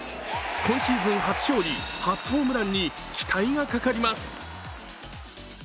今シーズン初勝利初ホームランに期待がかかります。